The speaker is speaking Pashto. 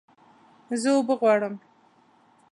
زه اوبه غواړم